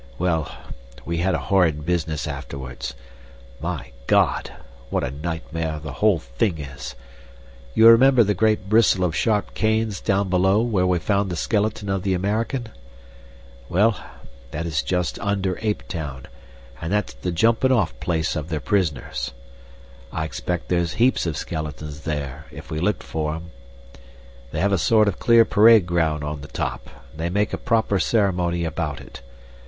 Well, we had a horrid business afterwards. My God! what a nightmare the whole thing is! You remember the great bristle of sharp canes down below where we found the skeleton of the American? Well, that is just under ape town, and that's the jumpin' off place of their prisoners. I expect there's heaps of skeletons there, if we looked for 'em. They have a sort of clear parade ground on the top, and they make a proper ceremony about it.